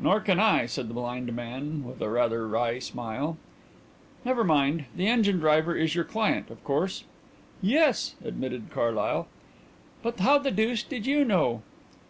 "Nor can I," said the blind man, with a rather wry smile. "Never mind. The engine driver is your client, of course?" "Yes," admitted Carlyle. "But how the deuce did you know?"